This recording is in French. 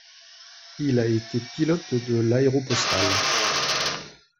Il a été pilote de l'Aéropostale.